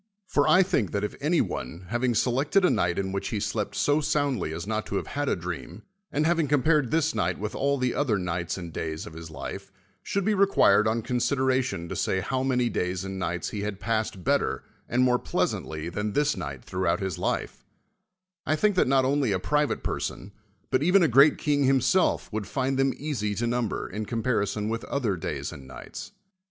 Vov I think that if anyone, having sehM^ed a night in which he slept so soundly as not to have THE WORLD'S FAMOUS ORATIONS had a di'eanj, and having c(,)iiii)ared this night with all the other nights and days of his life, should be required on consideration to say how many days and nights he had passed better and more pleasantly than this night throughout his life, I think that not only a private person, but even a great king hin; self would find them easy to number in comparison with other days and nights.